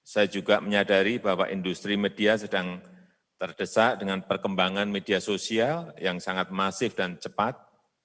saya juga menyadari bahwa industri media sedang terdesak dengan perkembangan media sosial yang sangat masif dan cepat